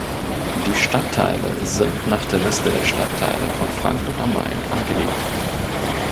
Die Stadtteile sind nach der Liste der Stadtteile von Frankfurt am Main angelegt.